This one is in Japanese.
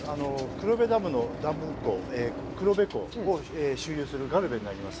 黒部ダムのダム湖、黒部湖を周遊するガルベになります。